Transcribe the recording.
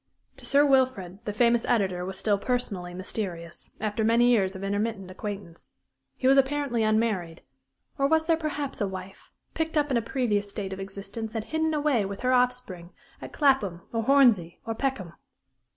To Sir Wilfrid the famous editor was still personally mysterious, after many years of intermittent acquaintance. He was apparently unmarried; or was there perhaps a wife, picked up in a previous state of existence, and hidden away with her offspring at Clapham or Hornsey or Peckham?